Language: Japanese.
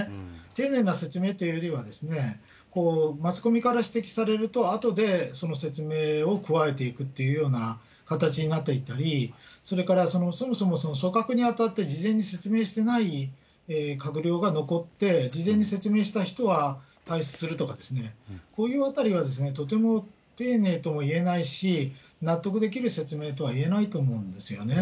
丁寧な説明というよりは、マスコミから指摘されると、あとでその説明を加えていくっていうような形になってったり、それからそもそも組閣にあたって事前に説明してない閣僚が残って、事前に説明した人は退出するとかですね、こういうあたりがとても丁寧ともいえないし、納得できる説明とはいえないと思うんですよね。